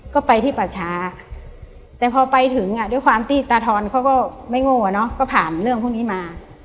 ก็ไปที่ประชาแต่พอไปถึงด้วยความที่ตาทอนเขาก็ไม่โง่เนอะก็ผ่านเรื่องพวกนี้มา